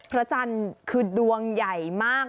พระจันทร์คือดวงใหญ่มาก